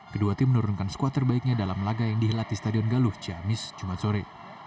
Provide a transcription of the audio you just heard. kedua tim menurunkan skuad terbaiknya dalam laga yang dihelat di stadion galuh ciamis jumat sore